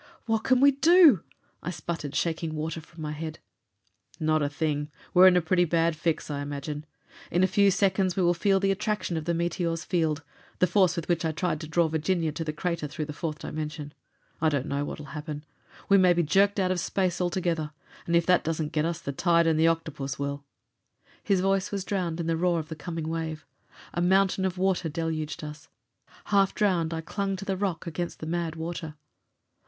"What can we do?" I sputtered, shaking water from my head. "Not a thing! We're in a pretty bad fix, I imagine. In a few seconds we will feel the attraction of the meteor's field the force with which I tried to draw Virginia to the crater through the fourth dimension. I don't know what will happen; we may be jerked out of space altogether. And if that doesn't get us, the tide and the octopus will!" His voice was drowned in the roar of the coming wave. A mountain of water deluged us. Half drowned, I clung to the rock against the mad water.